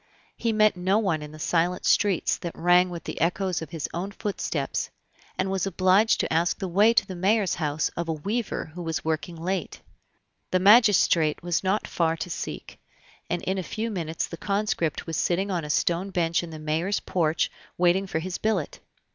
He met no one in the silent streets that rang with the echoes of his own footsteps, and was obliged to ask the way to the mayor's house of a weaver who was working late. The magistrate was not far to seek, and in a few minutes the conscript was sitting on a stone bench in the mayor's porch waiting for his billet.